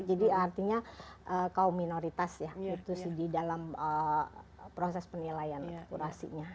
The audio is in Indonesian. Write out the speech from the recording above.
jadi artinya kaum minoritas ya itu sih di dalam proses penilaian kurasinya